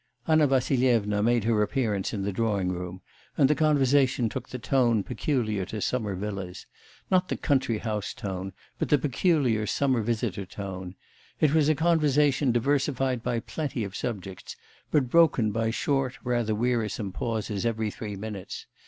Anna Vassilyevna made her appearance in the drawing room, and the conversation took the tone peculiar to summer villas not the country house tone but the peculiar summer visitor tone. It was a conversation diversified by plenty of subjects; but broken by short rather wearisome pauses every three minutes.